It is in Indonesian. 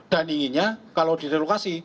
dan inginnya kalau direlokasi